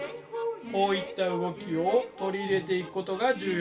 こういった動きを取り入れていくことが重要ですよ。